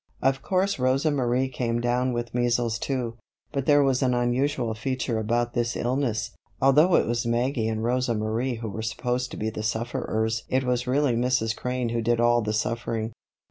Of course Rosa Marie came down with measles too. But there was an unusual feature about this illness. Although it was Maggie and Rosa Marie who were supposed to be the sufferers it was really Mrs. Crane who did all the suffering.